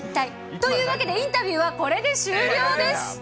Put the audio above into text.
というわけでインタビューはこれで終了です。